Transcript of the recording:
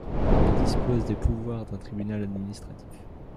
Il dispose des pouvoirs d'un tribunal administratif.